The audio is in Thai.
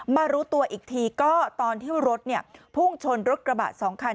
รู้ตัวอีกทีก็ตอนที่รถพุ่งชนรถกระบะ๒คัน